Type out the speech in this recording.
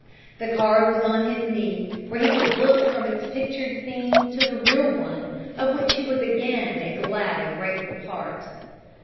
The card was on his knee, where he could look from its pictured scene to the real one of which he was again a glad and grateful part.